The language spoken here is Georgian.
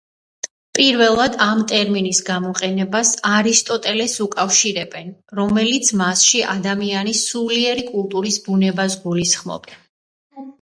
პირველად ამ ტერმინის გამოყენებას არისტოტელეს უკავშირებენ, რომელიც მასში ადამიანის სულიერი კულტურის ბუნებას გულისხმობდა.